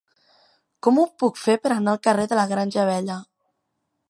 Com ho puc fer per anar al carrer de la Granja Vella?